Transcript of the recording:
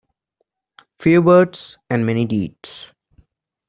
Few words and many deeds.